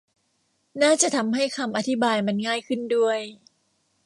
น่าจะทำให้คำอธิบายมันง่ายขึ้นด้วย